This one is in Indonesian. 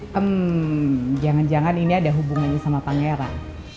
hmm jangan jangan ini ada hubungannya sama pangeran